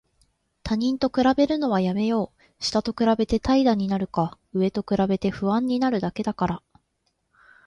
他人と比べるのはやめよう。下と比べて怠惰になるか、上と比べて不安になるだけだから。